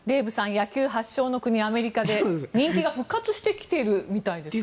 野球発祥の国、アメリカで人気が復活してきているみたいですね。